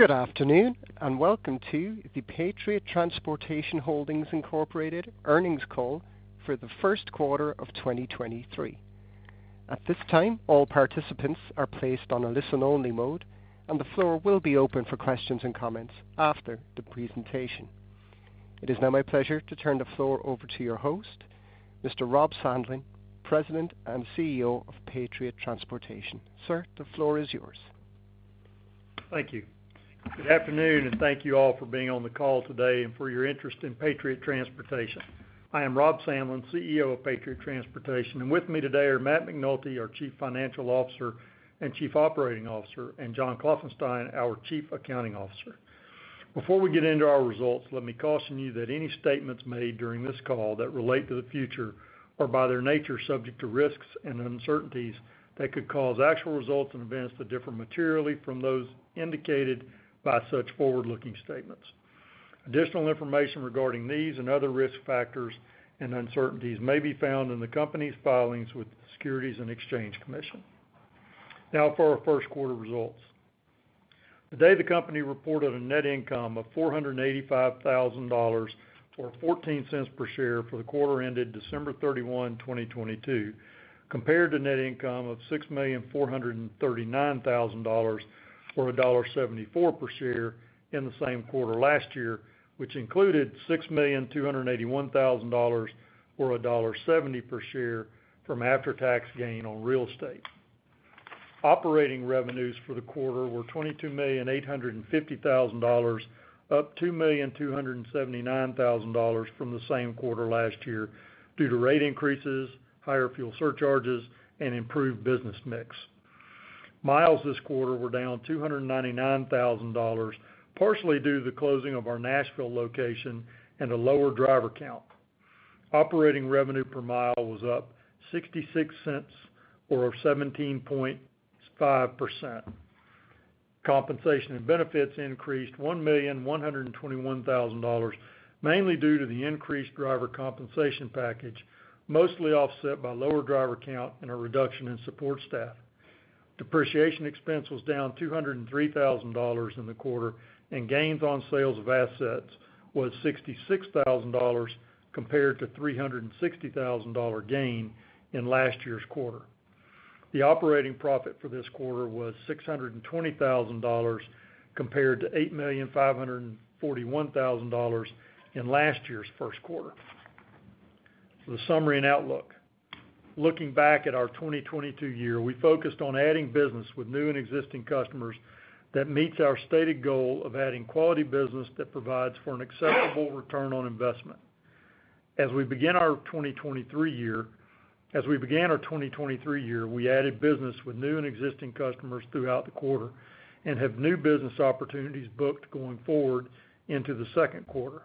Good afternoon, welcome to the Patriot Transportation Holdings, Inc. earnings call for the 1st quarter of 2023. At this time, all participants are placed on a listen-only mode, and the floor will be open for questions and comments after the presentation. It is now my pleasure to turn the floor over to your host, Mr. Rob Sandlin, President and CEO of Patriot Transportation. Sir, the floor is yours. Thank you. Good afternoon, and thank you all for being on the call today and for your interest in Patriot Transportation. I am Rob Sandlin, CEO of Patriot Transportation, and with me today are Matt McNulty, our Chief Financial Officer and Chief Operating Officer, and John Klopfenstein, our Chief Accounting Officer. Before we get into our results, let me caution you that any statements made during this call that relate to the future are by their nature subject to risks and uncertainties that could cause actual results and events to differ materially from those indicated by such forward-looking statements. Additional information regarding these and other risk factors and uncertainties may be found in the company's filings with the Securities and Exchange Commission. For our first quarter results. Today, the company reported a net income of $485,000, or $0.14 per share for the quarter ended December 31, 2022, compared to net income of $6,439,000, or $1.74 per share in the same quarter last year, which included $6,281,000, or $1.70 per share from after-tax gain on real estate. Operating revenues for the quarter were $22,850,000, up $2,279,000 from the same quarter last year due to rate increases, higher fuel surcharges, and improved business mix. Miles this quarter were down $299,000, partially due to the closing of our Nashville location and a lower driver count. Operating revenue per mile was up $0.66 or 17.5%. Compensation and benefits increased $1,121,000, mainly due to the increased driver compensation package, mostly offset by lower driver count and a reduction in support staff. Depreciation expense was down $203,000 in the quarter, and gains on sales of assets was $66,000 compared to $360,000 gain in last year's quarter. The operating profit for this quarter was $620,000 compared to $8,541,000 in last year's first quarter. The summary and outlook. Looking back at our 2022 year, we focused on adding business with new and existing customers that meets our stated goal of adding quality business that provides for an acceptable return on investment. As we began our 2023 year, we added business with new and existing customers throughout the quarter and have new business opportunities booked going forward into the second quarter.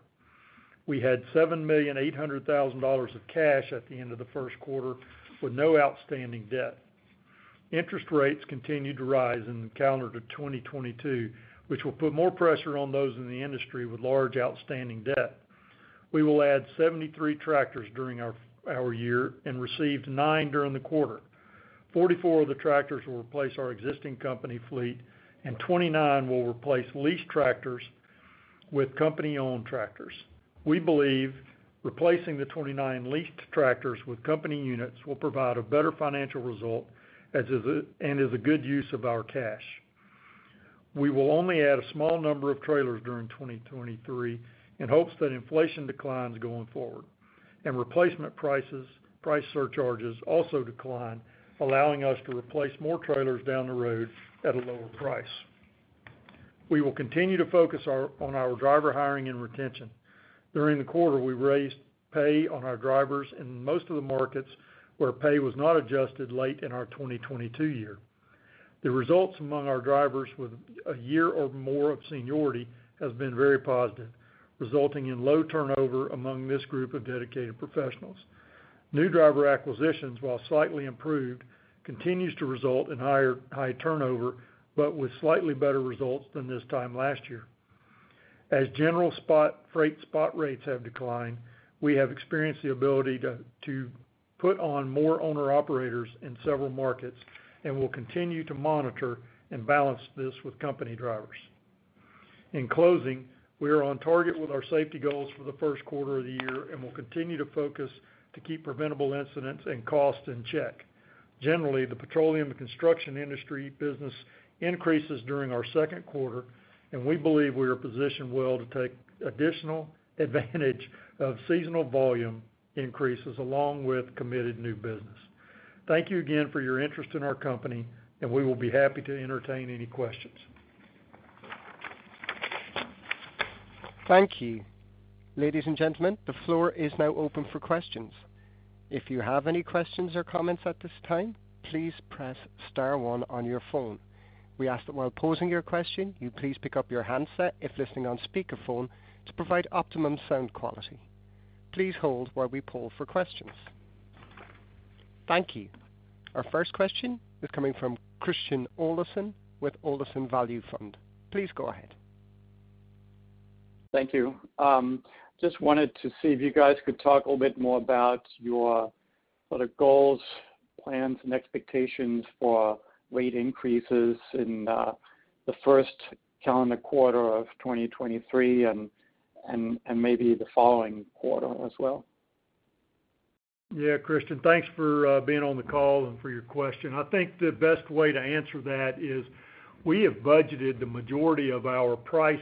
We had $7.8 million of cash at the end of the first quarter with no outstanding debt. Interest rates continued to rise in calendar to 2022, which will put more pressure on those in the industry with large outstanding debt. We will add 73 tractors during our year and received nine during the quarter. 44 of the tractors will replace our existing company fleet, and 29 will replace leased tractors with company-owned tractors. We believe replacing the 29 leased tractors with company units will provide a better financial result and is a good use of our cash. We will only add a small number of trailers during 2023 in hopes that inflation declines going forward and replacement prices, price surcharges also decline, allowing us to replace more trailers down the road at a lower price. We will continue to focus on our driver hiring and retention. During the quarter, we raised pay on our drivers in most of the markets where pay was not adjusted late in our 2022 year. The results among our drivers with a year or more of seniority has been very positive, resulting in low turnover among this group of dedicated professionals. New driver acquisitions, while slightly improved, continues to result in high turnover, but with slightly better results than this time last year. As general spot freight rates have declined, we have experienced the ability to put on more owner-operators in several markets and will continue to monitor and balance this with company drivers. In closing, we are on target with our safety goals for the first quarter of the year and will continue to focus to keep preventable incidents and costs in check. Generally, the petroleum and construction industry business increases during our second quarter, and we believe we are positioned well to take additional advantage of seasonal volume increases along with committed new business. Thank you again for your interest in our company, and we will be happy to entertain any questions. Thank you. Ladies and gentlemen, the floor is now open for questions. If you have any questions or comments at this time, please press star one on your phone. We ask that while posing your question, you please pick up your handset if listening on speakerphone to provide optimum sound quality. Please hold while we poll for questions. Thank you. Our first question is coming from Christian Olesen with Olesen Value Fund. Please go ahead. Thank you. just wanted to see if you guys could talk a little bit more about your sort of goals, plans, and expectations for rate increases in the first calendar quarter of 2023 and maybe the following quarter as well. Christian, thanks for being on the call and for your question. I think the best way to answer that is we have budgeted the majority of our price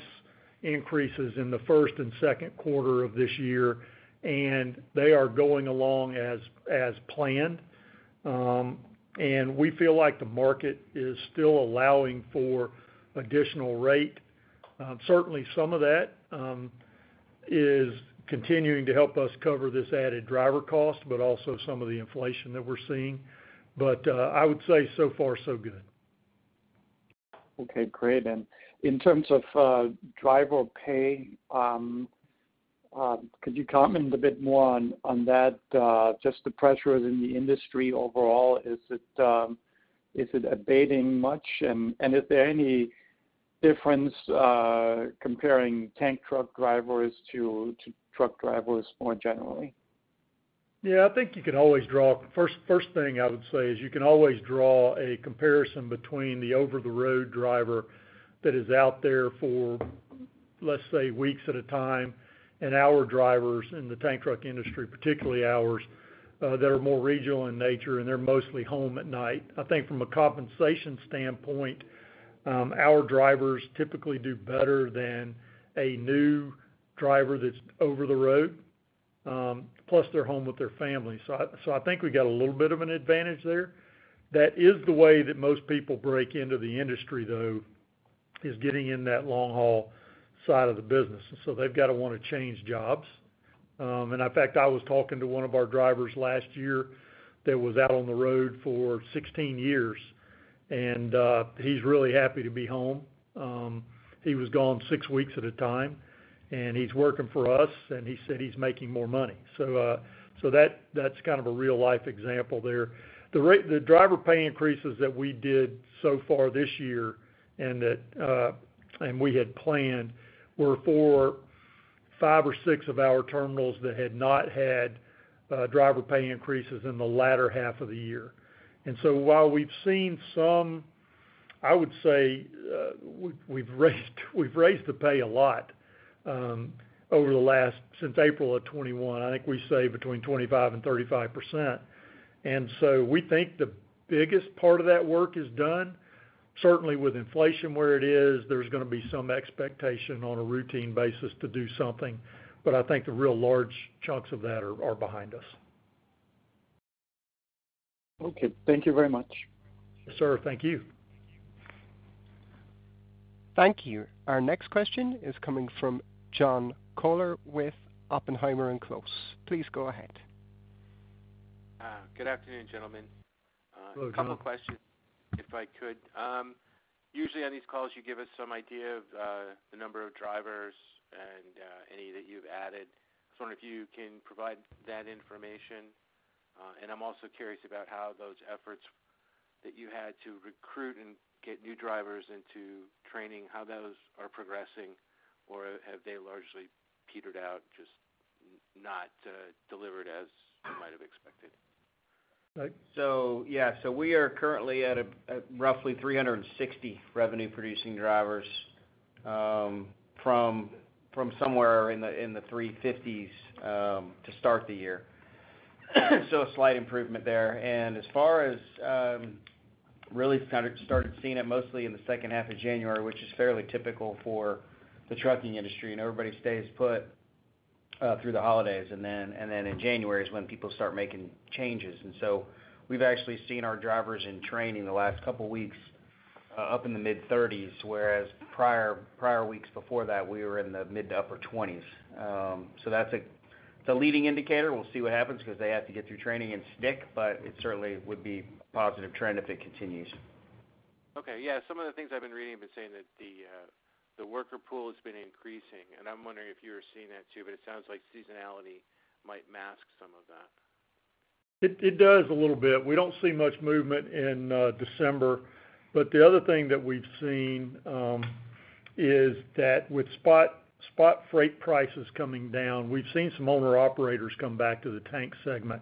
increases in the first and second quarter of this year, and they are going along as planned. We feel like the market is still allowing for additional rate. Certainly some of that is continuing to help us cover this added driver cost, but also some of the inflation that we're seeing. I would say so far so good. Okay, great. In terms of driver pay, could you comment a bit more on that? Just the pressures in the industry overall, is it abating much? Is there any difference comparing tank truck drivers to truck drivers more generally? Yeah, First thing I would say is you can always draw a comparison between the over-the-road driver that is out there for, let's say, weeks at a time, and our drivers in the tank truck industry, particularly ours, that are more regional in nature, and they're mostly home at night. I think from a compensation standpoint, our drivers typically do better than a new driver that's over the road, plus they're home with their family. So I think we got a little bit of an advantage there. That is the way that most people break into the industry, though, is getting in that long haul side of the business. They've got to wanna change jobs. In fact, I was talking to one of our drivers last year that was out on the road for 16 years, and he's really happy to be home. He was gone six weeks at a time, and he's working for us, and he said he's making more money. That, that's kind of a real-life example there. The driver pay increases that we did so far this year, and that and we had planned, were for five or six of our terminals that had not had driver pay increases in the latter half of the year. While we've seen some, I would say, we've raised the pay a lot over the last... since April of 2021. I think we saved between 25% and 35%. We think the biggest part of that work is done. Certainly with inflation where it is, there's gonna be some expectation on a routine basis to do something, but I think the real large chunks of that are behind us. Okay. Thank you very much. Yes, sir. Thank you. Thank you. Our next question is coming from John Koller with Oppenheimer & Close. Please go ahead. good afternoon, gentlemen. Hello, John. A couple questions, if I could. Usually on these calls, you give us some idea of the number of drivers and any that you've added. Just wondering if you can provide that information. I'm also curious about how those efforts that you had to recruit and get new drivers into training, how those are progressing or have they largely petered out, just not delivered as you might have expected? Matt? Yeah. We are currently at a, at roughly 360 revenue producing drivers, from somewhere in the 350s, to start the year. A slight improvement there. As far as, really kind of started seeing it mostly in the second half of January, which is fairly typical for the trucking industry, everybody stays put through the holidays. Then in January is when people start making changes. We've actually seen our drivers in training the last couple weeks, up in the mid-30s, whereas prior weeks before that, we were in the mid to upper 20s. That's a, it's a leading indicator. We'll see what happens because they have to get through training and stick, but it certainly would be a positive trend if it continues. Okay. Yeah. Some of the things I've been reading have been saying that the worker pool has been increasing. I'm wondering if you're seeing that too. It sounds like seasonality might mask some of that. It does a little bit. We don't see much movement in December. The other thing that we've seen is that with spot freight prices coming down, we've seen some owner-operators come back to the tank segment.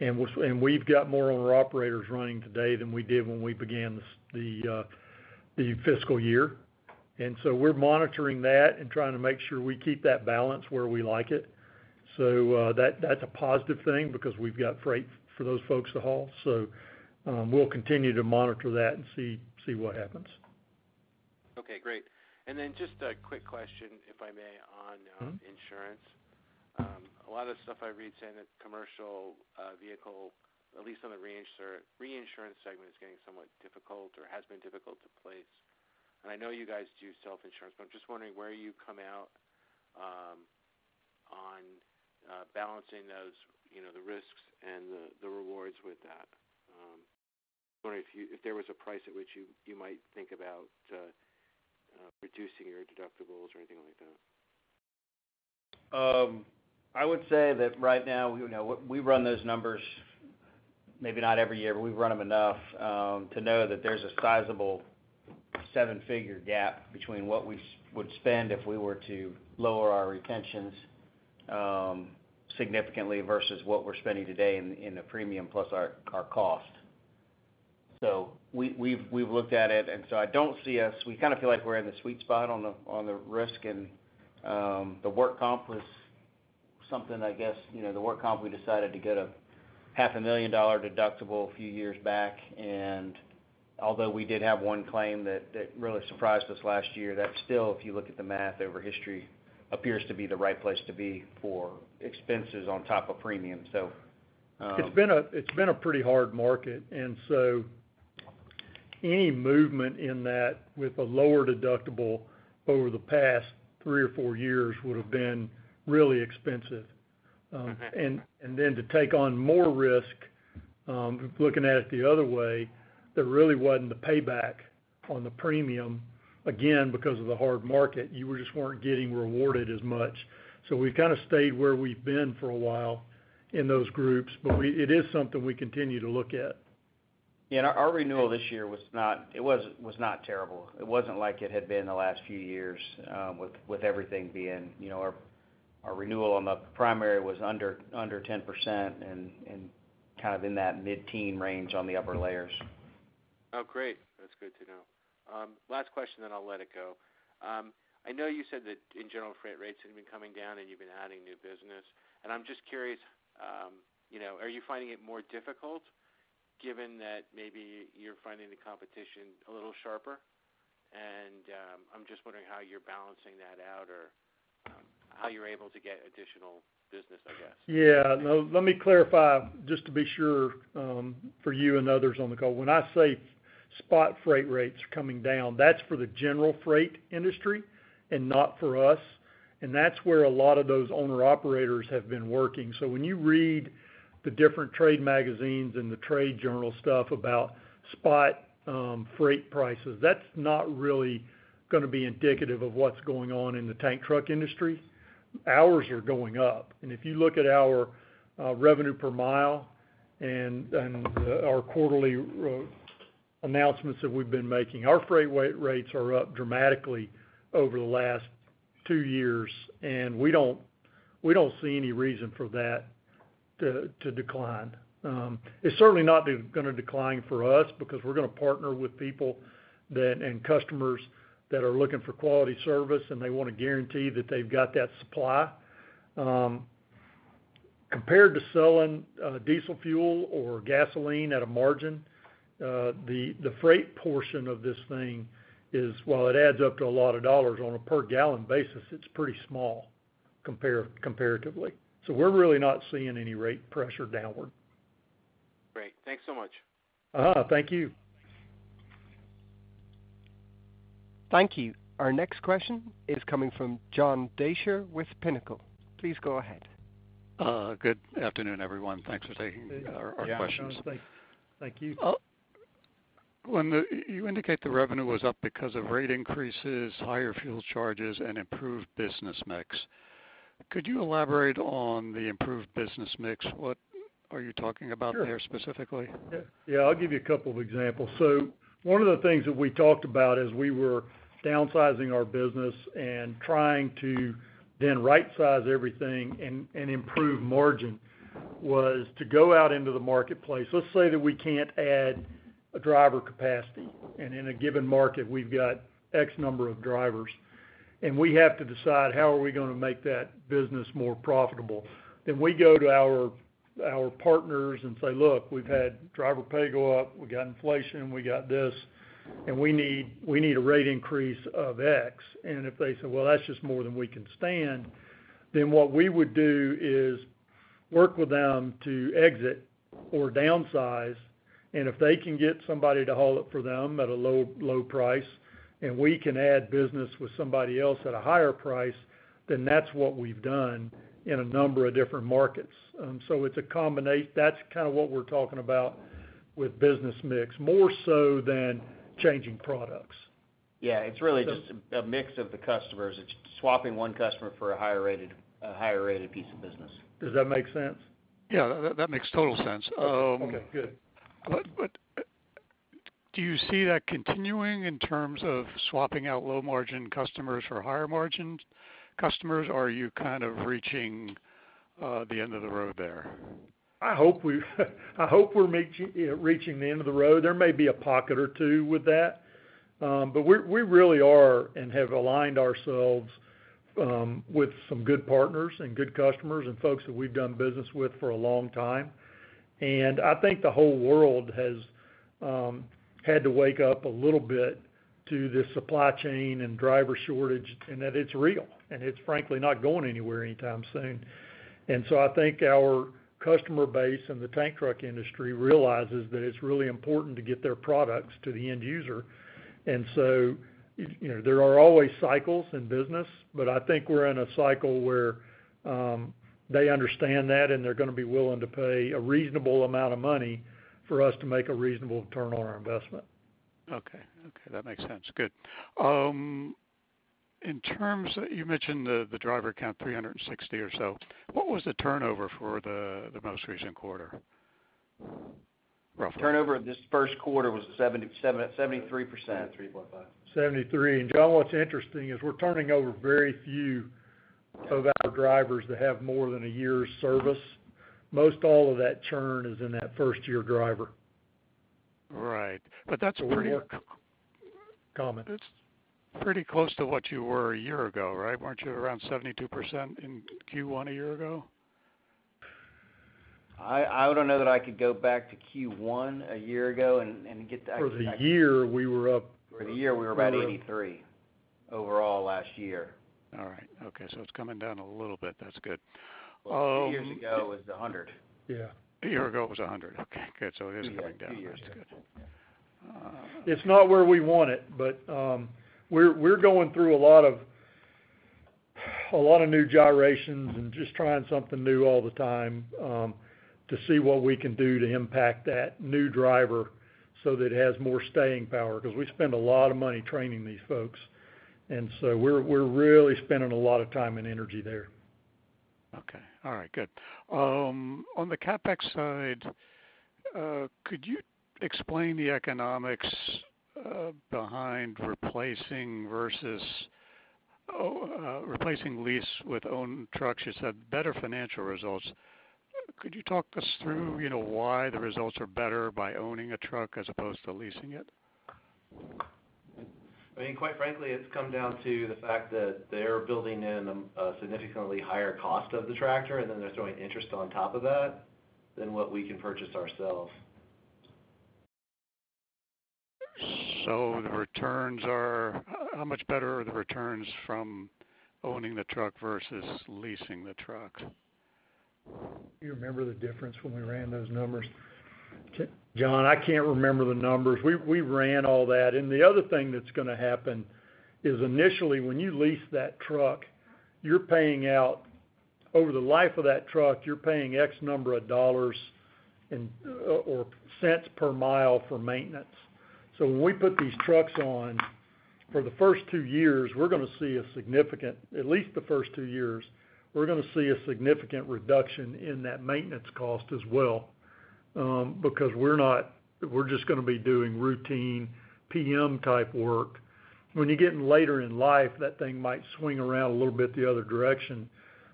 We've got more owner-operators running today than we did when we began this, the fiscal year. We're monitoring that and trying to make sure we keep that balance where we like it. That's a positive thing because we've got freight for those folks to haul. We'll continue to monitor that and see what happens. Okay, great. Just a quick question, if I may, on. Mm-hmm.... insurance. A lot of the stuff I've read saying that commercial vehicle, at least on the reinsurance segment, is getting somewhat difficult or has been difficult to place. I know you guys do self-insurance, but I'm just wondering where you come out on balancing those, you know, the risks and the rewards with that. Wondering if there was a price at which you might think about reducing your deductibles or anything like that? I would say that right now, you know, we run those numbers maybe not every year, but we run them enough to know that there's a sizable seven-figure gap between what we would spend if we were to lower our retentions significantly versus what we're spending today in the premium plus our cost. We've looked at it, I don't see us. We kind of feel like we're in the sweet spot on the risk, and the Workers' Compensation was something, I guess, you know, the Workers' Compensation, we decided to get a half a million dollar deductible a few years back. Although we did have one claim that really surprised us last year, that still, if you look at the math over history, appears to be the right place to be for expenses on top of premium. It's been a pretty hard market. Any movement in that with a lower deductible over the past three or four years would have been really expensive. Mm-hmm. To take on more risk, looking at it the other way, there really wasn't the payback on the premium, again, because of the hard market. You just weren't getting rewarded as much. We've kind of stayed where we've been for a while in those groups, but it is something we continue to look at. Yeah. Our renewal this year was not terrible. It wasn't like it had been the last few years, with everything being... You know, our renewal on the primary was under 10% and kind of in that mid-teen range on the upper layers. Oh, great. That's good to know. Last question, then I'll let it go. I know you said that in general, freight rates have been coming down, and you've been adding new business. I'm just curious, you know, are you finding it more difficult given that maybe you're finding the competition a little sharper? I'm just wondering how you're balancing that out or how you're able to get additional business, I guess. Yeah. No. Let me clarify, just to be sure, for you and others on the call. When I say spot freight rates are coming down, that's for the general freight industry and not for us, and that's where a lot of those owner-operators have been working. When you read the different trade magazines and the trade journal stuff about spot freight prices, that's not really gonna be indicative of what's going on in the tank truck industry. Ours are going up. If you look at our revenue per mile and our quarterly announcements that we've been making, our freight weight rates are up dramatically over the last two years, and we don't see any reason for that to decline. It's certainly not gonna decline for us because we're gonna partner with people that... Customers that are looking for quality service, and they want to guarantee that they've got that supply. Compared to selling diesel fuel or gasoline at a margin, the freight portion of this thing is, while it adds up to a lot of dollars on a per gallon basis, it's pretty small comparatively. We're really not seeing any rate pressure downward. Great. Thanks so much. Uh-huh. Thank you. Thank you. Our next question is coming from John Deysher with Pinnacle. Please go ahead. Good afternoon, everyone. Thanks for taking our questions. Yeah, John. Thank you. You indicate the revenue was up because of rate increases, higher fuel charges, and improved business mix. Could you elaborate on the improved business mix? What are you talking about there specifically? Sure. Yeah. Yeah, I'll give you a couple of examples. One of the things that we talked about as we were downsizing our business and trying to then right-size everything and improve margin was to go out into the marketplace. Let's say that we can't add a driver capacity, and in a given market, we've got X number of drivers, and we have to decide how are we gonna make that business more profitable. We go to our partners and say, "Look, we've had driver pay go up. We've got inflation, we got this, and we need, we need a rate increase of X." If they say, "Well, that's just more than we can stand," then what we would do is work with them to exit or downsize. If they can get somebody to haul it for them at a low, low price, and we can add business with somebody else at a higher price, then that's what we've done in a number of different markets. It's kind of what we're talking about with business mix, more so than changing products. Yeah. It's really just a mix of the customers. It's swapping one customer for a higher rated piece of business. Does that make sense? Yeah. That makes total sense. Okay, good. Do you see that continuing in terms of swapping out low-margin customers for higher margined customers, or are you kind of reaching the end of the road there? I hope we're reaching the end of the road. There may be a pocket or two with that. We really are and have aligned ourselves with some good partners and good customers and folks that we've done business with for a long time. I think the whole world has had to wake up a little bit to the supply chain and driver shortage, and that it's real, and it's frankly not going anywhere anytime soon. I think our customer base in the tank truck industry realizes that it's really important to get their products to the end user. You know, there are always cycles in business, but I think we're in a cycle where they understand that, and they're gonna be willing to pay a reasonable amount of money for us to make a reasonable return on our investment. Okay. Okay, that makes sense. Good. You mentioned the driver count 360 or so. What was the turnover for the most recent quarter roughly? Turnover of this first quarter was 73%. 3.5. 73. John, what's interesting is we're turning over very few of our drivers that have more than a year of service. Most all of that churn is in that first-year driver. Right. One more comment. It's pretty close to what you were a year ago, right? Weren't you around 72% in Q1 a year ago? I wouldn't know that I could go back to Q1 a year ago and get the actual-. For the year, we were up. For the year we were about 83 overall last year. All right. Okay. It's coming down a little bit. That's good. Two years ago, it was $100. Yeah. A year ago, it was $100. Okay, good. It is going down. That's good. Yeah, two years ago. It's not where we want it, but we're going through a lot of new gyrations and just trying something new all the time to see what we can do to impact that new driver so that it has more staying power 'cause we spend a lot of money training these folks. We're really spending a lot of time and energy there. Okay. All right, good. On the CapEx side, could you explain the economics behind replacing lease with own trucks, you said better financial results. Could you talk us through, you know, why the results are better by owning a truck as opposed to leasing it? I mean, quite frankly, it's come down to the fact that they're building in a significantly higher cost of the tractor, and then they're throwing interest on top of that than what we can purchase ourselves. How much better are the returns from owning the truck versus leasing the truck? Do you remember the difference when we ran those numbers? John, I can't remember the numbers. We ran all that. The other thing that's gonna happen is initially when you lease that truck, you're paying out... Over the life of that truck, you're paying X number of dollars in or cents per mile for maintenance. When we put these trucks on, for the first two years, we're gonna see a significant reduction in that maintenance cost as well, because we're just gonna be doing routine PM type work. When you're getting later in life, that thing might swing around a little bit the other direction.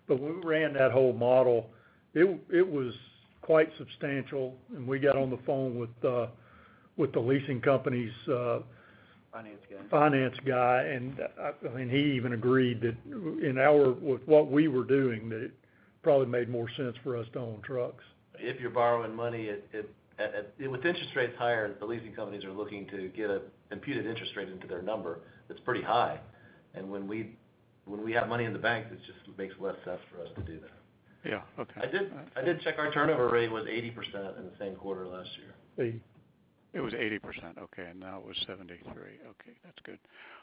When we ran that whole model, it was quite substantial, and we got on the phone with the leasing company's. Finance guy. Finance guy, I mean, he even agreed that with what we were doing, that it probably made more sense for us to own trucks. If you're borrowing money. With interest rates higher, the leasing companies are looking to get an imputed interest rate into their number that's pretty high. When we have money in the bank, it just makes less sense for us to do that. Yeah. Okay. I did check. Our turnover rate was 80% in the same quarter last year. Eight. It was 80%, okay. Now it was 73%. Okay, that's good.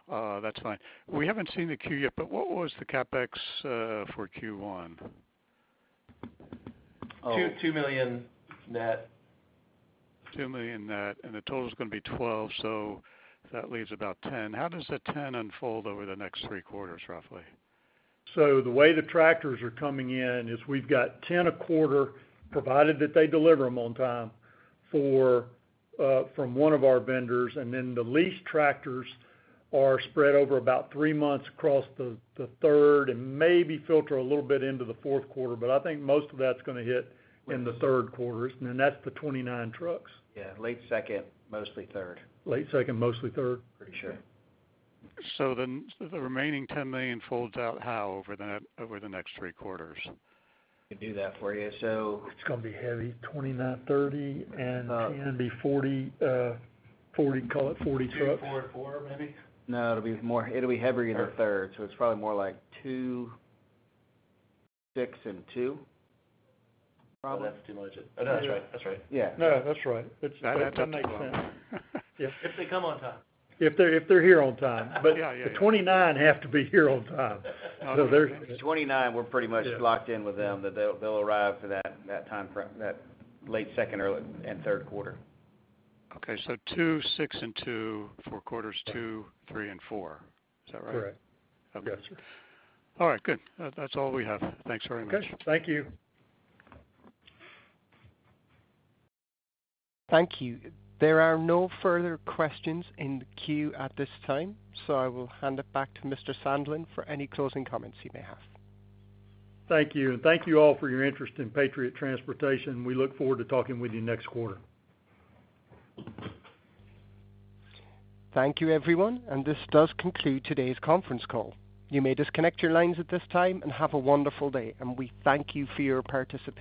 That's fine. We haven't seen the Q yet, but what was the CapEx for Q1? $2 million net. $2 million net, and the total is gonna be $12 million, so that leaves about $10 million. How does the $10 million unfold over the next three quarters roughly? The way the tractors are coming in is we've got 10 a quarter, provided that they deliver them on time, for from one of our vendors, and then the lease tractors are spread over about three months across the third and maybe filter a little bit into the fourth quarter, but I think most of that's gonna hit in the third quarter. That's the 29 trucks. Yeah, late second, mostly third. Late second, mostly third. Pretty sure. The remaining $10 million folds out how over the next three quarters? I can do that for you. It's gonna be heavy. 29 30 and 10 gonna be 40. Call it 40 trucks. Two, four, and four maybe. No, it'll be heavier in the third. It's probably more like two, six, and two probably. Well, that's too much. No, that's right. That's right. Yeah. No, that's right. That makes sense. If they come on time. If they're here on time. Yeah, yeah. the 29 have to be here on time. The 29, we're pretty much locked in with them, that they'll arrive for that timeframe, that late second, early, and third quarter. Okay. Two, six, and two for quarters two, three, and four. Is that right? Correct. Okay. You got it. All right, good. That's all we have. Thanks very much. Okay, thank you. Thank you. There are no further questions in the queue at this time. I will hand it back to Mr. Sandlin for any closing comments he may have. Thank you. Thank you all for your interest in Patriot Transportation. We look forward to talking with you next quarter. Thank you, everyone. This does conclude today's conference call. You may disconnect your lines at this time. Have a wonderful day. We thank you for your participation.